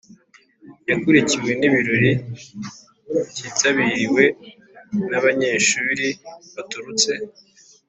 yakurikiwe n’ibirori byitabiriwe n’abanyeshuli baturutse